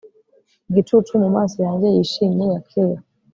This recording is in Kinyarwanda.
Igicucu mumaso yanjye yishimye ya kera